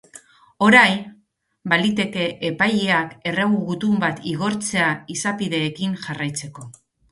Orain, baliteke epaileak erregu-gutun bat igortzea, izapideekin jarraitzeko.